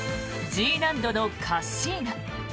Ｇ難度のカッシーナ。